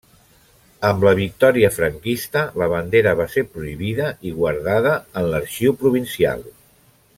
Amb la victòria franquista, la bandera va ser prohibida i guardada en l'Arxiu Provincial.